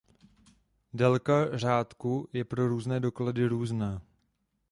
Délka řádku je pro různé doklady různá.